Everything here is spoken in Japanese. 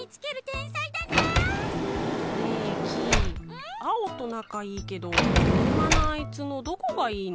ん？アオとなかいいけどのろまなあいつのどこがいいの？